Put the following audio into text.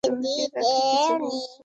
তুমি কি তাকে কিছু বলছো?